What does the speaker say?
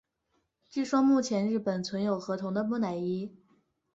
据说目前日本存有河童的木乃伊。